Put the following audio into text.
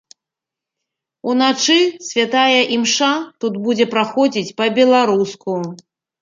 Уначы святая імша тут будзе праходзіць па-беларуску.